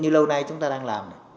như lâu nay chúng ta đang làm